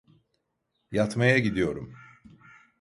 Yatmaya gidiyorum.